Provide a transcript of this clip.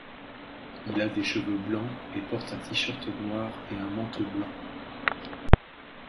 Il a des cheveux blancs, et porte un t-shirt noir et un manteau blanc.